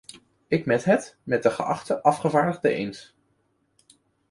Ik met het met de geachte afgevaardigde eens.